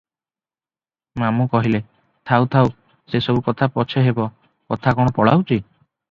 "ମାମୁ କହିଲେ, "ଥାଉ ଥାଉ, ସେ ସବୁ କଥା ପଛେ ହେବ, କଥା କଣ ପଳାଉଛି?